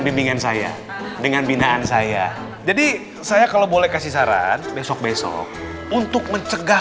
bimbingan saya dengan binaan saya jadi saya kalau boleh kasih saran besok besok untuk mencegah